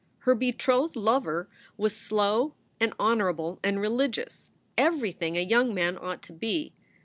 Her betrothed lover was slow and honorable and religious, everything a young man ought to be.